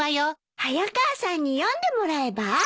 早川さんに読んでもらえば？